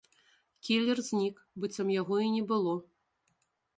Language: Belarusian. Кілер знік, быццам яго і не было.